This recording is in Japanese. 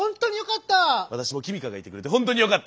私もきみかがいてくれてほんとによかった。